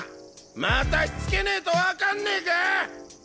またしつけねえと分かんねえか！